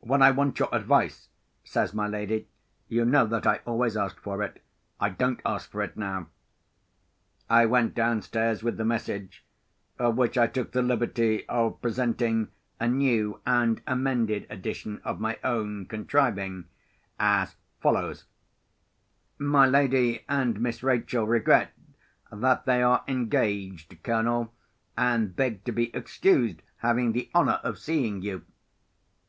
"When I want your advice," says my lady, "you know that I always ask for it. I don't ask for it now." I went downstairs with the message, of which I took the liberty of presenting a new and amended edition of my own contriving, as follows: "My lady and Miss Rachel regret that they are engaged, Colonel; and beg to be excused having the honour of seeing you."